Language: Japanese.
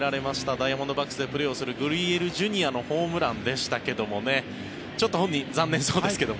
ダイヤモンドバックスでプレーをするグリエルＪｒ．のホームランでしたけどもちょっと本人、残念そうですけど。